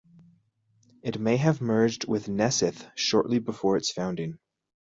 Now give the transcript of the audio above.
It may have merged with Knesseth shortly after its founding.